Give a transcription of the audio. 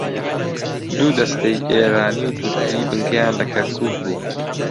دوو دەستەی ئێرانی و تورکی بنکەیان لە کەرکووک بوو